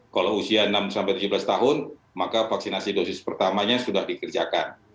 kalau usia enam tujuh belas tahun maka vaksinasi dosis pertamanya sudah dikerjakan